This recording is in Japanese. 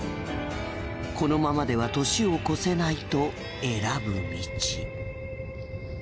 このままでは年を越せないと選ぶ道。